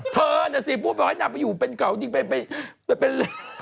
เธอน่ะสิผู้บอกให้นางไปอยู่ขาวดิน